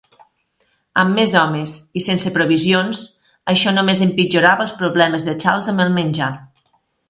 Amb més homes i sense provisions, això només empitjorava els problemes de Charles amb el menjar.